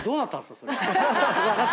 それ。